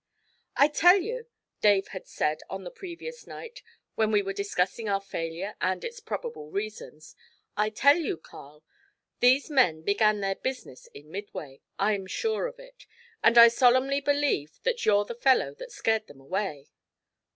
'I tell you,' Dave had said on the previous night, when we were discussing our failure and its probable reasons 'I tell you, Carl, these men began their business in Midway I'm sure of it; and I solemnly believe that you're the fellow that scared them away.'